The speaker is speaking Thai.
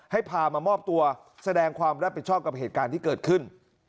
ได้พามามอบตัวแสดงความรับผิดชอบกับเกิดวันของเกิดขึ้น